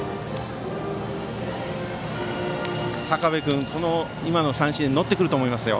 坂部君、今の三振で乗ってくると思いますよ。